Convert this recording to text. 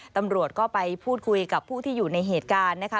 ตำรวจก็ไปพูดคุยกับผู้ที่อยู่ในเหตุการณ์นะคะ